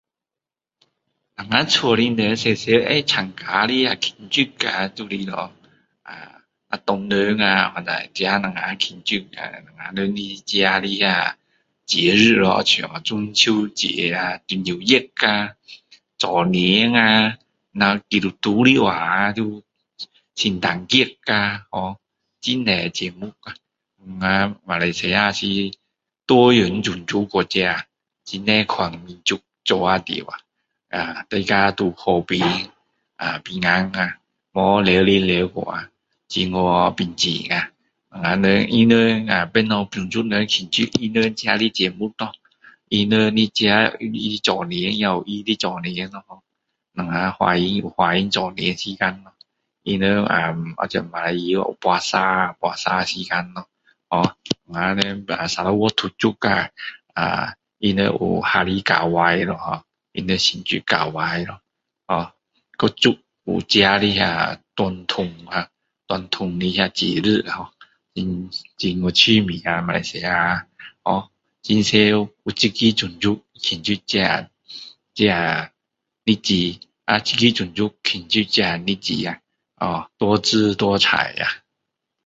在这边马来西亚ho以前以前政府就是乱花钱ho这次这新的现在这几年新的政府 最近这几年政府就比较好有些钱就是乱乱用有些自己拿去用完全没有好好利用钱所以说现在的做法会比较好现在要发展的有些钱算好好的没有乱乱花